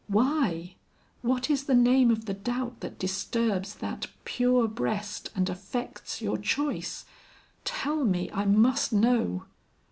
Why? What is the name of the doubt that disturbs that pure breast and affects your choice? Tell me, I must know."